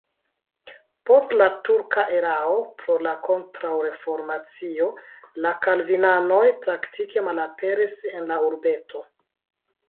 Post la turka erao pro la kontraŭreformacio la kalvinanoj praktike malaperis en la urbeto.